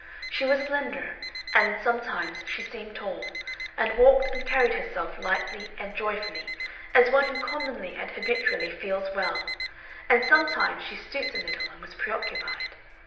She was slender, and sometimes she seemed tall, and walked and carried herself lightly and joyfully as one who commonly and habitually feels well, and sometimes she stooped a little and was preoccupied.